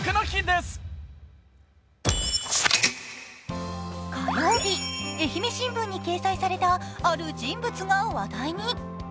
火曜日、愛媛新聞に掲載されたある人物が話題に。